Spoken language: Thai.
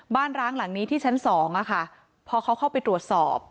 บ้านร้างหลังนี้ที่ชั้น๒พอเขาเข้าไปตรวจสอบ